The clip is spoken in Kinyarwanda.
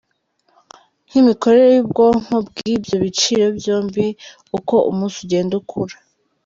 Nk'imikorere y'ubwonko bw'ibyo byiciro byombi uko umunsi ugenda ukura.